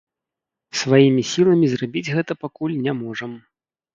Сваімі сіламі зрабіць гэта пакуль не можам.